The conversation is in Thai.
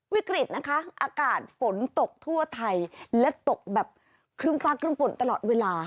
วิกฤตนะคะอากาศฝนตกทั่วไทยและตกแบบครึ่มฟ้าครึ่มฝนตลอดเวลา